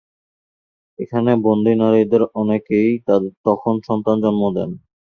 এখানে বন্দি নারীদের অনেকেই তখন সন্তান জন্ম দেন।